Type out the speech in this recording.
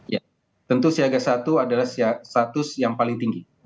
ya tentu siaga satu adalah status yang paling tinggi